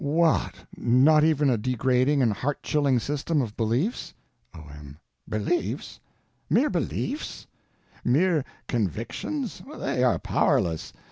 What—not even a degrading and heart chilling system of beliefs? O.M. Beliefs? Mere beliefs? Mere convictions? They are powerless.